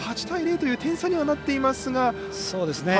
８対０という点差にはなっていますが。